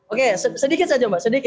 oke sedikit saja mbak